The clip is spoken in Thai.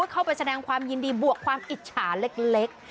เข้าไปแสดงความยินดีบวกความอิจฉาเล็ก